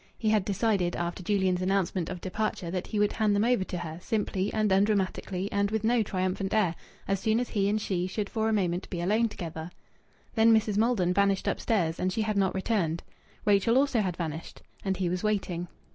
He had decided, after Julian's announcement of departure, that he would hand them over to her, simply and undramatically and with no triumphant air, as soon as he and she should for a moment be alone together. Then Mrs. Maldon vanished upstairs. And she had not returned. Rachel also had vanished. And he was waiting.